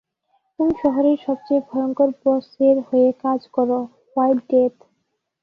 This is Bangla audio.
তুমি শহরের সবচেয়ে ভয়ঙ্কর বসের হয়ে কাজ করোঃ হোয়াইট ডেথ।